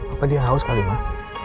apa dia haus kali emak